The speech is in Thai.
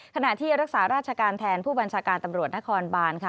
ขณะที่รักษาราชการแทนผู้บัญชาการตำรวจนครบานค่ะ